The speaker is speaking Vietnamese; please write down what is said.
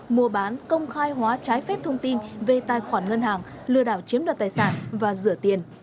mua bán công khai hóa trái phép thông tin về tài khoản ngân hàng lừa đảo chiếm đoạt tài sản và rửa tiền